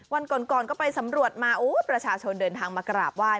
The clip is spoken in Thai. วันก่อนก็ไปสำรวจมาโอ้ประชาชนเดินทางมากราบไห้